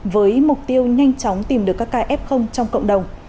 với mục tiêu nhanh chóng tìm được các kf trong cộng đồng